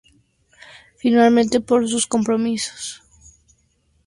Finalmente por sus compromisos con Rata Blanca no pudo asistir a ambos eventos.